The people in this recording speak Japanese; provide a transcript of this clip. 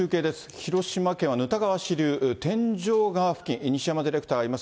広島県は沼田川支流天井川付近、西山ディレクターがいます。